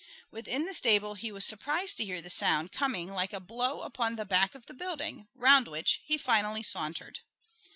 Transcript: Within the stable he was surprised to hear the sound coming like a blow upon the back of the building, round which he finally sauntered.